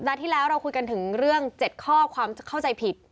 ที่แล้วเราคุยกันถึงเรื่อง๗ข้อความเข้าใจผิด